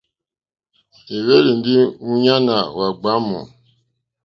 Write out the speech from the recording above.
Ì hwélì ndí múɲáná wá ɡbwǎmù.